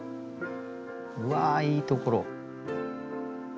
うわいいところ。